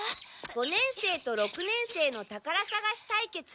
五年生と六年生の宝探し対決。